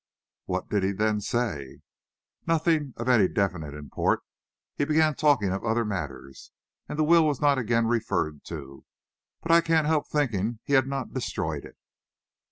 "What did he then say?" "Nothing of any definite import. He began talking of other matters, and the will was not again referred to. But I can't help thinking he had not destroyed it."